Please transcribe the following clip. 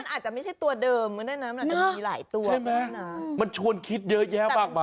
อาจจะไม่ใช่ตัวเดิมก็ได้นะมันอาจจะมีหลายตัวใช่ไหมมันชวนคิดเยอะแยะมากมาย